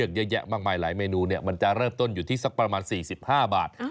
เยอะแยะมากมายหลายเมนูมันจะเริ่มต้นอยู่ที่สักประมาณ๔๕บาท